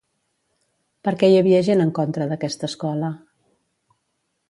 Per què hi havia gent en contra d'aquesta escola?